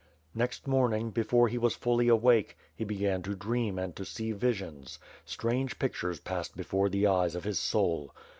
Next morning, before he was fully awake, he began to dream and to see visions; strange pictures passed before the ^OO WITH FIRE AND SWORD. eyes of his soul.